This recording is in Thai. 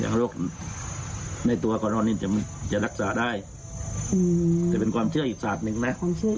อย่างโรคในตัวกรณอนนี้จะจะรักษาได้อืมแต่เป็นความเชื่ออิกษาหนึ่งนะ